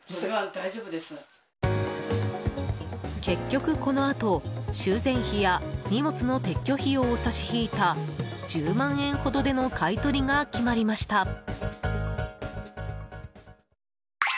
結局このあと、修繕費や荷物の撤去費用を差し引いた１０万円ほどでの買い取りが決まりました。